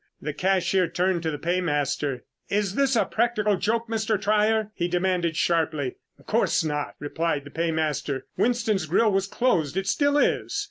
The cashier turned to the paymaster. "Is this a practical joke, Mr. Trier?" he demanded sharply. "Of course not," replied the paymaster. "Winston's grill was closed. It still is.